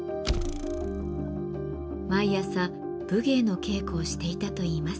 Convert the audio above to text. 毎朝武芸の稽古をしていたといいます。